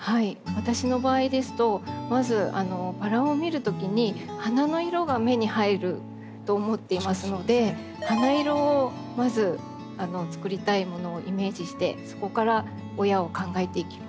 私の場合ですとまずバラを見るときに花の色が目に入ると思っていますので花色をまずつくりたいものをイメージしてそこから親を考えていきます。